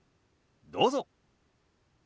どうぞ。